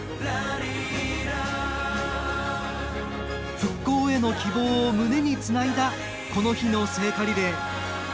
復興への希望を胸につないだこの日の聖火リレー。